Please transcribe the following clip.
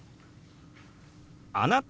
「あなた？」。